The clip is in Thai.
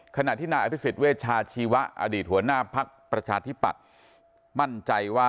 ขณะที่นาอภิษฐเวชาชีวะอดีตหัวหน้าพักประชาธิปัตย์